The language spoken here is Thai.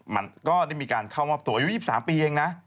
มันก็ได้มีการเข้ามอบตัวอายุ๒๓ปีเองนะ